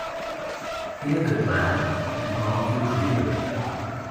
Be a good lad; and I’ll do for you.